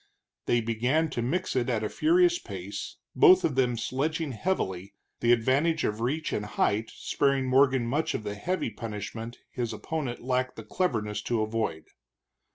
They began to mix it at a furious pace, both of them sledging heavily, the advantage of reach and height sparing Morgan much of the heavy punishment his opponent lacked the cleverness to avoid.